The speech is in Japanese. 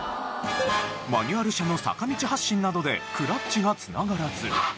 マニュアル車の坂道発進などでクラッチが繋がらず。